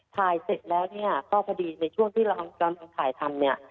เสร็จแล้วเนี่ยก็พอดีในช่วงที่เรากำลังถ่ายทำเนี่ย